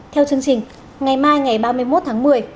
theo chương trình ngày mai ngày ba mươi một tháng một mươi